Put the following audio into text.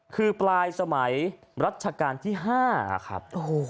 คือปลายสมัยรัชกาลที่๕ครับ